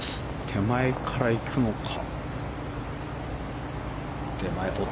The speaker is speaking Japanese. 手前から行くのか。